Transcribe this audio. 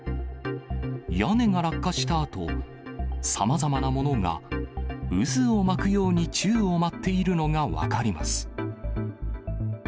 屋根が落下したあと、さまざまなものが渦を巻くように宙を舞っているのが分かります。